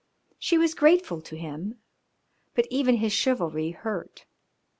She was grateful to him, but even his chivalry hurt.